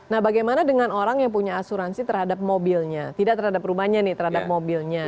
nah bagaimana dengan orang yang punya asuransi terhadap mobilnya tidak terhadap rumahnya nih terhadap mobilnya